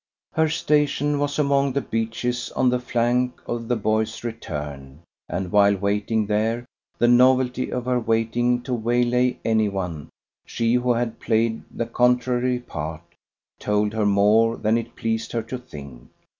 Her station was among the beeches on the flank of the boy's return; and while waiting there the novelty of her waiting to waylay anyone she who had played the contrary part! told her more than it pleased her to think.